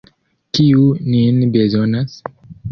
Kiu nin bezonas?